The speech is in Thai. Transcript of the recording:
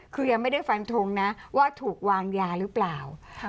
คือยังไม่ได้ฟันทงนะว่าถูกวางยาหรือเปล่า